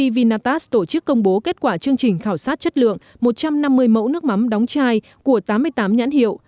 vinatast tổ chức công bố kết quả chương trình khảo sát chất lượng một trăm năm mươi mẫu nước mắm đóng chai của tám mươi tám nhãn hiệu